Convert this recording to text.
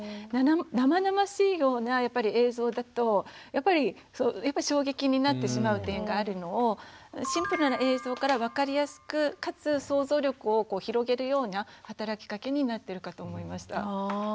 生々しいような映像だとやっぱり衝撃になってしまう点があるのをシンプルな映像から分かりやすくかつ想像力を広げるような働きかけになってるかと思いました。